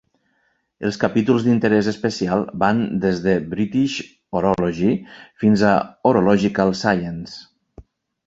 Els capítols d'interès especial van des de "British Horology" fins a "Horological Science".